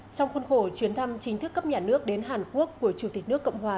trong khuôn khổ chuyến thăm chính thức cấp nhà nước đến hàn quốc của chủ tịch nước cộng hòa